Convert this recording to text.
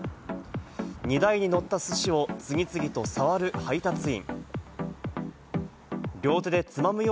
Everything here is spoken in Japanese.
荷台にのった寿司を次々と触る配達員。